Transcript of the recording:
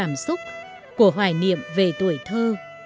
những nỗi niềm của cảm xúc của hoài niệm về tuổi thơ